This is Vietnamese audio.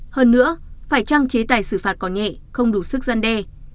hơn nữa phải trang chế tài xử phạt có nhẹ không đủ sức dân đe